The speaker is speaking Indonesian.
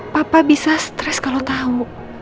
papa bisa stres kalau tahu